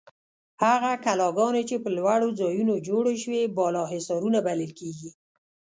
هغه کلاګانې چې په لوړو ځایونو جوړې شوې بالاحصارونه بلل کیږي.